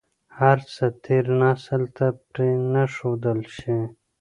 هر څه تېر نسل ته پرې نه ښودل شي.